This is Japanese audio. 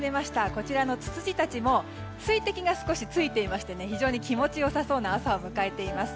こちらのツツジたちも水滴が少しついていまして非常に気持ちよさそうな朝を迎えています。